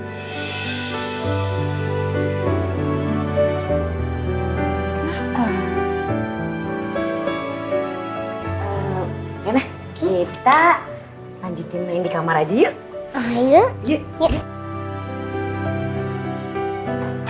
ya nah kita lanjutin main di kamar aja yuk